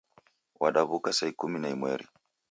Wadaw'uka saa ikumi na imweri